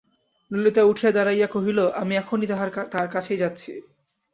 ললিতা উঠিয়া দাঁড়াইয়া কহিল, আমি এখনই তাঁর কাছেই যাচ্ছি।